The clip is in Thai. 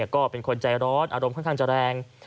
ก็เป็นคนใจร้อนอารมณ์ค่อนข้างจะแรง